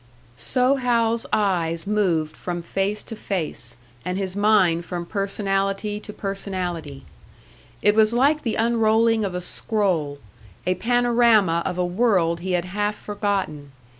So Hal's eyes moved from face to face, and his mind from personality to personality. It was like the unrolling of a scroll; a panorama of a world he had half forgotten.